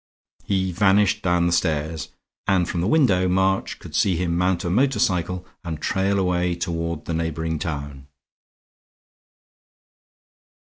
He vanished down the stairs; and from the window March could see him mount a motor cycle and trail away toward the neighboring town.